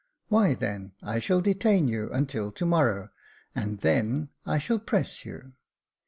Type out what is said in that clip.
Why, then, I shall detain you until to morrow, and then I shall press you."